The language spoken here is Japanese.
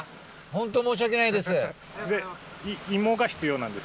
ホント申し訳ないです。